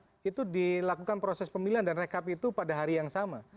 tapi begitu kotak suara itu dilakukan proses pemilihan dan rekap itu pada hari yang sama